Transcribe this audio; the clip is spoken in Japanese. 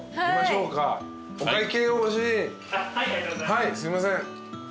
はいすいません。